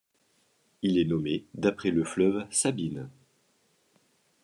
Il est nommé d'après le fleuve Sabine.